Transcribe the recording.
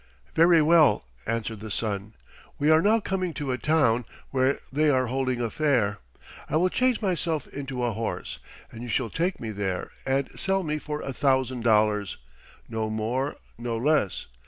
"Very well," answered the son. "We are now coming to a town where they are holding a fair. I will change myself into a horse, and you shall take me there and sell me for a thousand dollars, no more, no less.